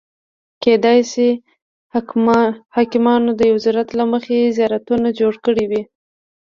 کېدای شي حاکمانو د یو ضرورت له مخې زیارتونه جوړ کړي وي.